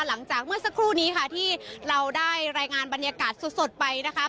หลังจากเมื่อสักครู่นี้ค่ะที่เราได้รายงานบรรยากาศสดไปนะคะ